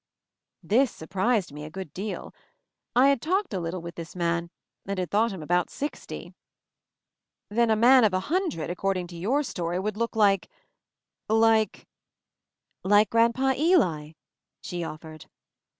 This surprised me a good deal. I had talked a little with this man, and had thought him about sixty. "Then a man of a hundred, according to your story, would look like — like —:—" "Like Grandpa Ely," she offered.